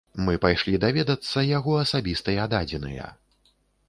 Мы пайшлі даведацца яго асабістыя дадзеныя.